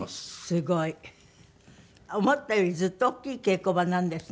すごい。思ったよりずっと大きい稽古場なんですね。